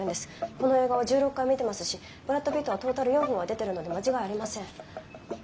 この映画は１６回見てますしブラッド・ピットはトータル４分は出てるので間違いありません。